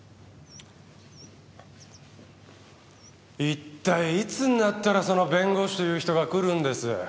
一体いつになったらその弁護士という人が来るんです？